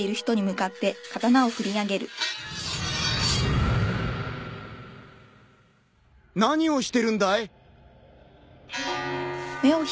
ん？何をしてるんだい？